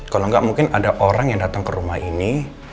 kalau nggak mungkin ada orang yang datang ke rumah ini